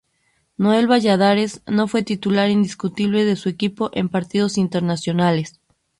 Noel Valladares no fue titular indiscutible de su equipo en partidos internacionales.